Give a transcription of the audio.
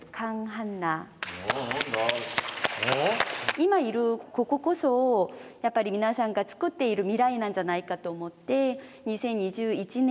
今いるこここそやっぱり皆さんが作っている未来なんじゃないかと思って２０２１年